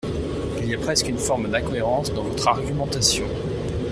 Il y a presque une forme d’incohérence dans votre argumentation.